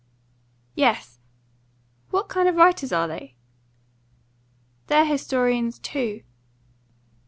"Yes. What kind of writers are they?" "They're historians too."